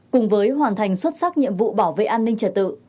cùng với hoàn thành xuất sắc nhiệm vụ bảo vệ an ninh trật tự